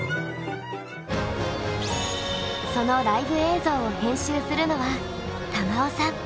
そのライブ映像を編集するのは瑶生さん。